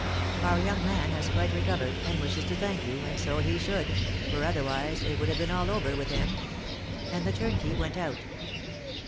Our young man has quite recovered, and wishes to thank you, and so he should, for otherwise it would have been all over with him." And the turnkey went out.